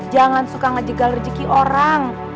jangan suka ngejegal rejeki orang